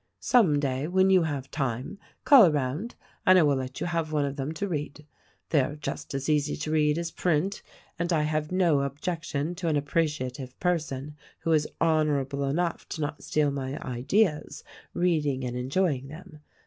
Some day, when you have time, call around and I will let you have one of them to read. They are just as easy to read as print — and I have no objection to an appreciative person, who is honorable enough to not steal my ideas, reading and enjoying them.